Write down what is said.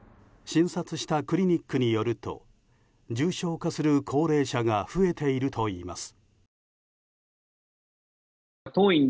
診察したクリニックによると重症化する高齢者が増えているといいます。